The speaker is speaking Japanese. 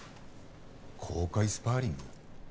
「公開スパーリング」？